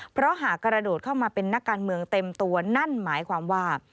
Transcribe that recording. เพราะหากกระโดดเข้ามาเป็นนักการเมืองเต็มตัวนั่นหมายความว่า